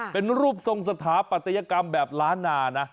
เป็นรูปทรงสถาปัตยกรรมแบบล้านนานะ